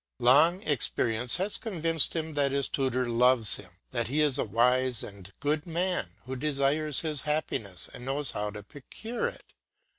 Long experience has convinced him that his tutor loves him, that he is a wise and good man who desires his happiness and knows how to procure it.